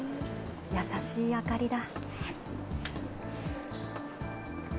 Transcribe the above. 優しい明かりだ。